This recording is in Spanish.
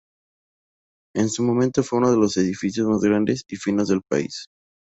En su momento fue uno de los edificios más grandes y finos del país.